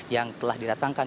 yang telah didatangkan